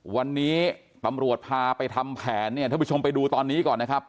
วันนี้ตำรวจพาไปทำแผนเนี่ยท่านผู้ชมไปดูตอนนี้ก่อนนะครับ